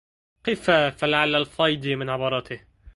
قفا فلعل الفيض من عبراته